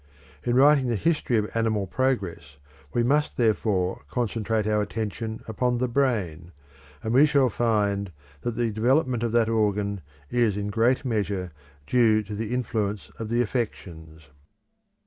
In writing the history of animal progress we must therefore concentrate our attention upon the brain, and we shall find that the development of that organ is in great measure due to the influence of the affections.